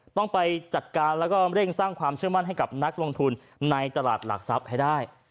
ต้องไปจัดการแล้วก็เร่งสร้างความเชื่อมั่นให้กับนักลงทุนในตลาดหลักทรัพย์ให้ได้